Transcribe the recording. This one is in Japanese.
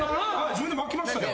自分で巻きましたよ。